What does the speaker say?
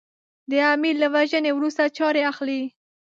د امیر له وژنې وروسته چارې اخلي.